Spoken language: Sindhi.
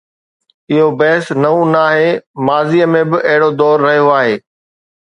اهو بحث نئون ناهي، ماضي ۾ به اهڙو دور رهيو آهي.